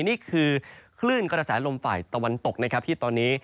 นี่คือคลื่นกระแสลมฝ่ายตะวันตกนะครับที่ตอนนี้